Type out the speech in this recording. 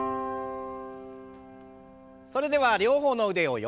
それでは両方の腕を横。